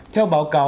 theo báo cáo